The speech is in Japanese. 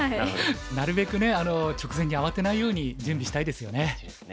なるべくね直前に慌てないように準備したいですよね。